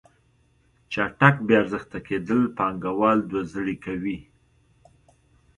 چټک بې ارزښته کیدل پانګوال دوه زړې کوي.